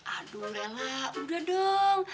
aduh lela udah dong